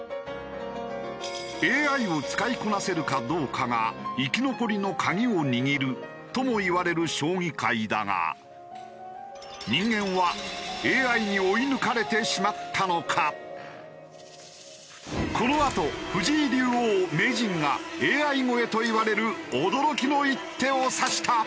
ＡＩを使いこなせるかどうかが生き残りの鍵を握るともいわれる将棋界だが人間はこのあと藤井竜王・名人がＡＩ超えといわれる驚きの一手を指した！